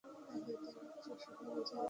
তাহা হইলে নিশ্চয়ই সেখানে যাইতে আর অমত করিবে না।